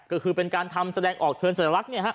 ก็คือเป็นการทำแสดงออกเทือนสรรหลัก